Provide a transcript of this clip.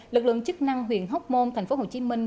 lực lượng chức năng huyền hốc môn thành phố hồ chí minh